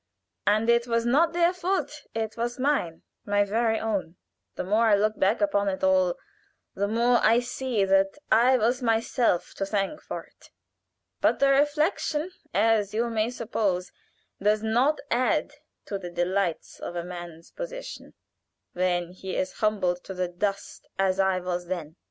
And it was not their fault it was mine my very own. "The more I look back upon it all, the more I see that I have myself to thank for it. But that reflection, as you may suppose, does not add to the delights of a man's position when he is humbled to the dust as I was then.